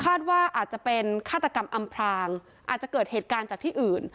ว่าอาจจะเป็นฆาตกรรมอำพรางอาจจะเกิดเหตุการณ์จากที่อื่น